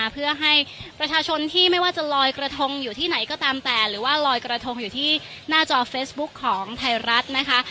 เพื่อให้ประชาชนที่ไม่ว่าจะลอยกระทงอยู่ที่ไหนก็ตามแต่หรือว่าลอยกระทงอยู่ที่หน้าจอเฟซบุ๊คของไทยรัฐนะคะ